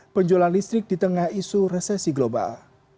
penjualan listrik di tengah isu resesi global